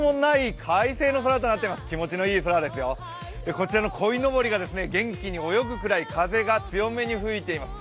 こちらのこいのぼりが元気に泳ぐくらい、風が強めに吹いています。